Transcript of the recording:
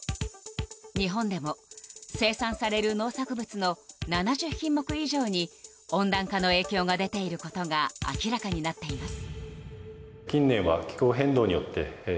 日本でも、生産される農作物の７０品目以上に温暖化の影響が出ていることが明らかになっています。